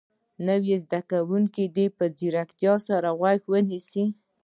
نور زده کوونکي دې په ځیرتیا سره غوږ ونیسي.